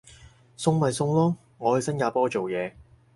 送咪送咯，我去新加坡做嘢